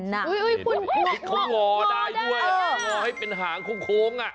เขาหล่อได้ด้วยหล่อให้เป็นหางโค้ง